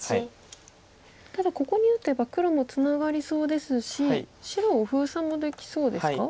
ただここに打てば黒もツナがりそうですし白を封鎖もできそうですか？